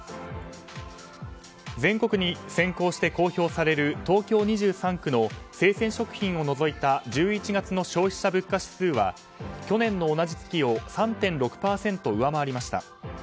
全国に先行して公表される東京２３区の生鮮食品を除いた１１月の消費者物価指数は去年の同じ月を３．６％上回りました。